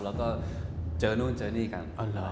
แล้วก็เจอนู่นเจอนี่กัน